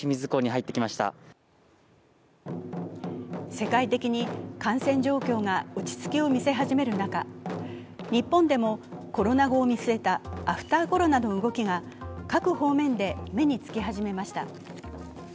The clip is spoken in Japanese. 世界的に感染状況が落ち着きを見せ始める中日本でもコロナ後を見据えたアフター・コロナの動きが各方面で目につき始めました。